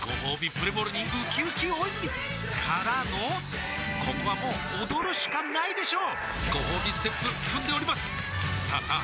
プレモルにうきうき大泉からのここはもう踊るしかないでしょうごほうびステップ踏んでおりますさあさあ